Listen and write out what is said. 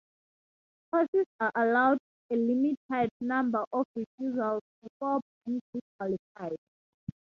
Horses are allowed a limited number of refusals before being disqualified.